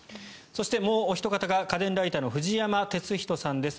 そして、もうおひと方が家電ライターの藤山哲人さんです。